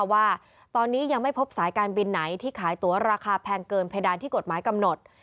ว่าตอนนี้ยังไม่พบสายการบินไหนที่ขายตัวราคาแพงเกินเพดานที่กฎหมายกำหนด